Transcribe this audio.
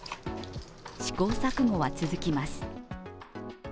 試行錯誤は続きます。